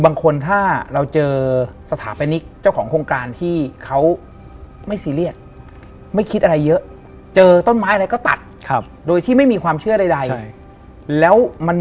บ้านเนี่ยขายหมดแล้ว